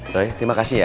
doi terima kasih ya